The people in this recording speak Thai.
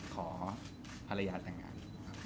ขอภรรยาต่างงานครับ